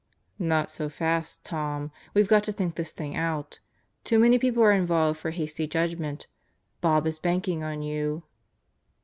..." "Not so fast, Tom. We've got to think this thing out. Too many people are involved for a hasty judgment. Bob is banking on you.